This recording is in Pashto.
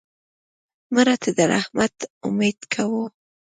مړه ته د رحمت امید کوو